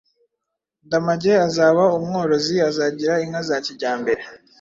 Ndamage azaba umworozi azagira inka za kijyambere.